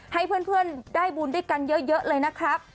ให้เพื่อนได้บุญด้วยกันเยอะเลยนะครับ